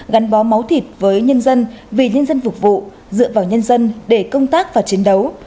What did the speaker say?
gắn bó máu thịt với nhân dân vì nhân dân phục vụ dựa vào nhân dân để công tác và chiến đấu